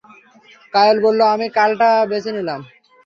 কায়ল বলল, আমি কালটা বেছে নিলাম।